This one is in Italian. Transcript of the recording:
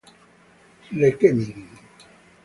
Le Chemin